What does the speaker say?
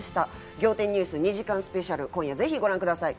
『仰天ニュース』２時間スペシャル、今夜ぜひご覧ください。